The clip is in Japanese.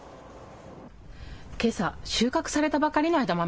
けさ、収穫されたばかりの枝豆。